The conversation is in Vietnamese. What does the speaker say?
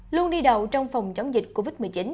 luôn đi đầu trong phòng chống dịch covid một mươi chín